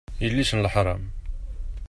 Yelli-s n leḥṛam!